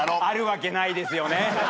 あるわけないですよね。